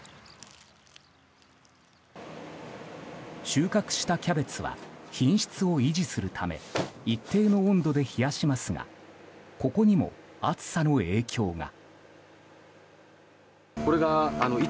収穫したキャベツは品質を維持するため一定の温度で冷やしますがここにも暑さの影響が。